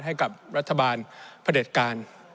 ให้กับรัฐบาลพระเด็จการ